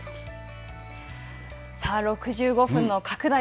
さあ６５分の拡大